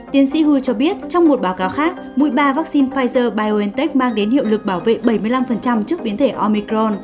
tiến sĩ hua cho biết trong một báo cáo khác mũi ba vaccine pfizer biontech mang đến hiệu lực bảo vệ bảy mươi năm trước biến thể omicron